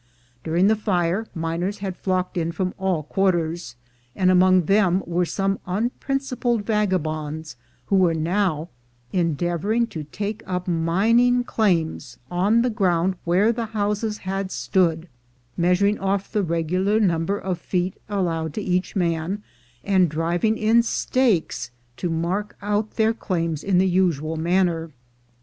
During the fire, miners had flocked in from all quarters, and among them were some unprincipled vagabonds, who were now endeavoring to take up mining claims on the ground where the houses had stood, measuring off the regular number of feet allowed to each man, and driving in stakes to mark out their claims in the usual manner.